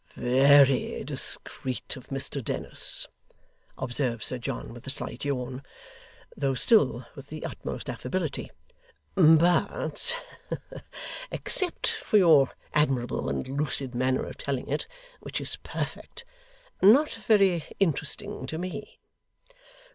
'Very discreet of Mr Dennis,' observed Sir John with a slight yawn, though still with the utmost affability, 'but except for your admirable and lucid manner of telling it, which is perfect not very interesting to me.